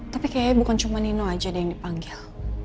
tapi kayaknya bukan cuma nino aja deh yang dipanggil